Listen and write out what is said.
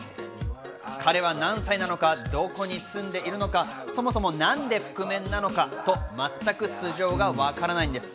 彼は何歳なのか、どこに住んでいるのか、そもそもなんで覆面なのかと、全く素性がわからないんです。